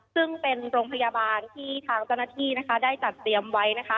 ซึ่งเป็นโรงพยาบาลที่ทางเจ้าหน้าที่ได้จัดเตรียมไว้